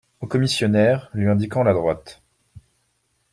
Au commissionnaire, lui indiquant la droite.